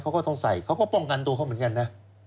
เขาก็ต้องใส่เขาก็ป้องกันตัวเขาเหมือนกันนะ